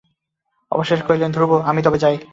অবশেষে কহিলেন, ধ্রুব, আমি তবে যাই।